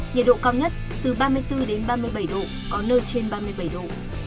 nhiệt độ cao nhất từ ba mươi bốn đến ba mươi bảy độ có nơi trên ba mươi bảy độ